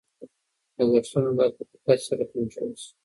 لګښتونه باید په دقت سره کنټرول شي.